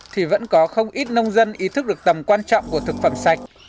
thì vẫn có không ít nông dân ý thức được tầm quan trọng của thực phẩm sạch